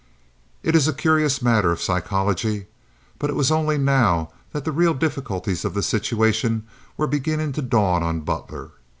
It is a curious matter of psychology, but it was only now that the real difficulties of the situation were beginning to dawn on Butler.